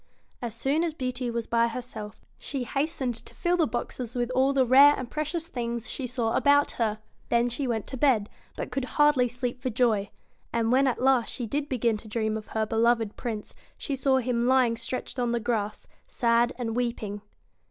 ' As soon as Beauty was by herself, she hastened to fill the boxes with all the rare and precious things she saw about her. Then she went to bed, but could hardly sleep for joy. And when at last she did begin to dream of her beloved Prince, she saw him lying stretched on the grass, sad and weeping.